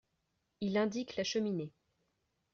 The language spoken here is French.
Il indique la cheminée.